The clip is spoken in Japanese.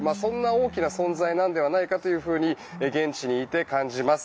大きな存在なのではないかと現地にいて感じます。